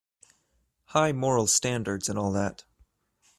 High moral standards and all that.